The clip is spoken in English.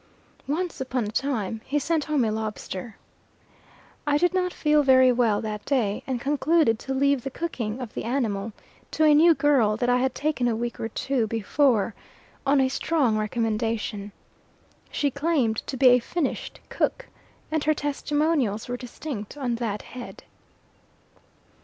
Once upon a time, he sent home a lobster. I did not feel very well that day, and concluded to leave the cooking of the animal to a new girl that I had taken a week or two before, on a strong recommendation. She claimed to be a finished cook, and her testimonials were distinct on that head.